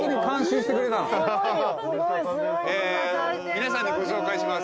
皆さんにご紹介します